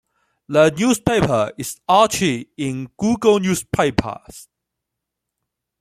The newspaper is archived in Google newspapers.